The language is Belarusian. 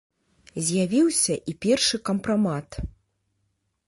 З'явіўся і першы кампрамат.